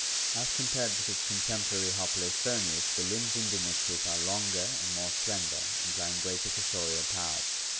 As compared with its contemporary, Eoplophoneus (Fig. 186), the limbs in Dinictis are longer and more slender, imply ing greater cursorial powers.